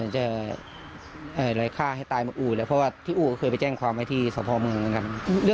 สร้างความร้อนก็เนอะ